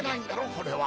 これは！